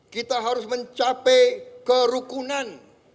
kita harus mencapai kerukunan